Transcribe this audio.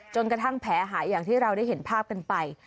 จนกระทั่งแผลหายอย่างที่เราได้เห็นภาพกันไป